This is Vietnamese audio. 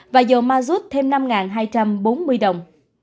và dầu mazut thêm năm hai trăm bốn mươi đồng